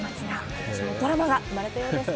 ことしもドラマが生まれたようです。